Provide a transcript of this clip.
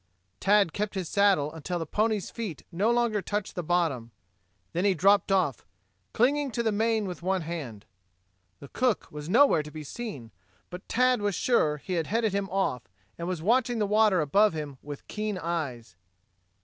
Tad kept his saddle until the pony's feet no longer touched the bottom. Then he dropped off, clinging to the mane with one hand. The cook was nowhere to be seen, but Tad was sure he had headed him off and was watching the water above him with keen eyes.